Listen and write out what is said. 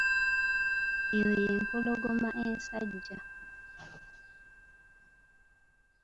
Eyo y'empologoma ensajja.